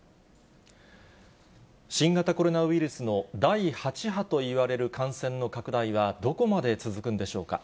新型コロナウイルスの第８波といわれる感染の拡大は、どこまで続くんでしょうか。